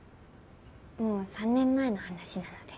もう３年前の話なので。